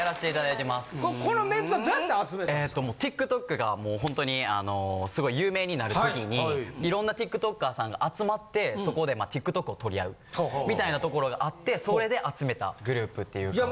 もうＴｉｋＴｏｋがもうほんとにあのすごい有名になる時に色んなＴｉｋＴｏｋｅｒさんが集まってそこでＴｉｋＴｏｋを撮り合うみたいな所があってそれで集めたグループっていうか。